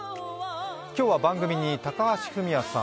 今日は番組に高橋文哉さん